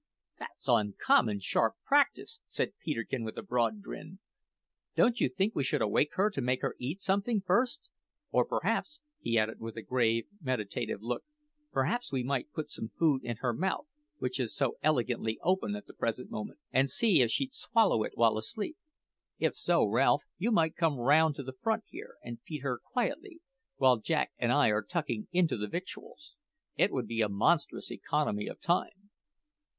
"That's uncommon sharp practice," said Peterkin with a broad grin. "Don't you think we should awake her to make her eat something first? Or perhaps," he added with a grave, meditative look "perhaps we might put some food in her mouth, which is so elegantly open at the present moment, and see if she'd swallow it while asleep. If so, Ralph, you might come round to the front here and feed her quietly, while Jack and I are tucking into the victuals. It would be a monstrous economy of time."